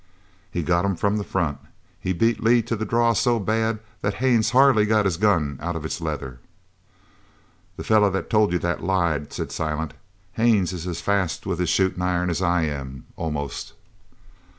"He got him from the front. He beat Lee to the draw so bad that Haines hardly got his gun out of its leather!" "The feller that told you that lied," said Silent. "Haines is as fast with his shootin' iron as I am almost!"